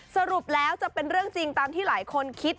สรุปแล้วจะเป็นเรื่องจริงตามที่หลายคนคิด